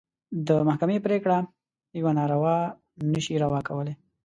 د محکمې پرېکړه يوه ناروا نه شي روا کولی.